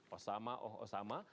osama oh osama